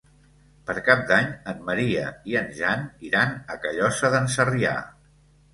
Per Cap d'Any en Maria i en Jan iran a Callosa d'en Sarrià.